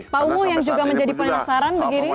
pak umu yang juga menjadi penasaran begini